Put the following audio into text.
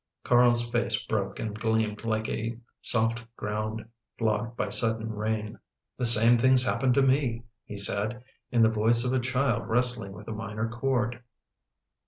Carl's face broke and gleamed like a soft ground flogged by sudden rain. " The same things happened to me/' he said in the voice of a child wrestling with a minor chord.